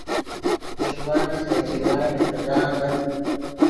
خݰوانن ڤے چروائے نے تیدان ڤد